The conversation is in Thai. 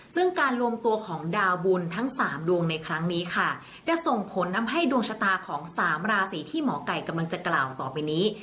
ซึ่งการรวมตัวของดาวบุญทั้งสามดวงในครั้งนี้ค่ะจะส่งผลทำให้ดวงชะตาของสามราศีที่หมอไก่กำลังจะกล่าวต่อไปนี้